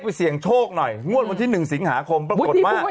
ไปเสี่ยงโชคหน่อยงวดวันที่หนึ่งสิงหาคมปรากฏมาบุตรที่พูดว่า